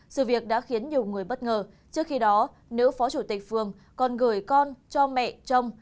sự việc đã khiến nhiều người bất ngờ trước khi đó nữ phó chủ tịch phường còn gửi con cho mẹ trông